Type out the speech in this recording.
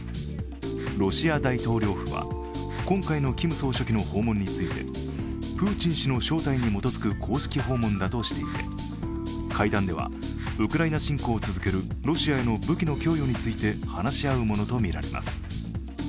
ロシア大統領府は、今回のキム総書記の訪問についてプーチン氏の招待に基づく公式訪問だとしていて会談では、ウクライナ侵攻を続けるロシアへの武器の供与について話し合うものとみられます。